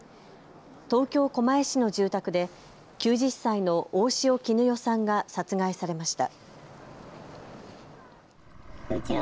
東京狛江市の住宅で９０歳の大塩衣與さんが殺害されました。